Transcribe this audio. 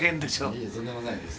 いえとんでもないです。